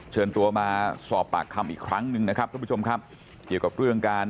เชิญตัวมาสอบปากคำอีกครั้งหนึ่งนะครับ